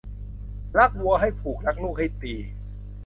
รักวัวให้ผูกรักลูกให้ตี